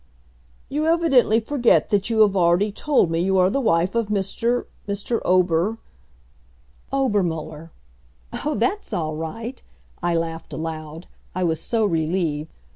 "You evidently forget that you have already told me you are the wife of Mr. Mr. Ober " "Obermuller. Oh, that's all right." I laughed aloud. I was so relieved.